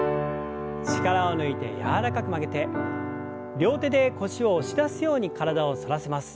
力を抜いて柔らかく曲げて両手で腰を押し出すように体を反らせます。